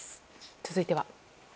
続いては。